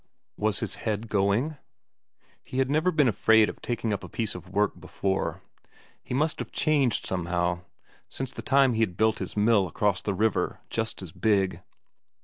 Was his head going? He had never been afraid of taking up a piece of work before; he must have changed somehow, since the time when he had built his mill across a river just as big.